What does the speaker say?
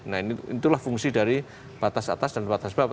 nah ini tidak boleh nah itulah fungsi dari batas atas dan batas bawah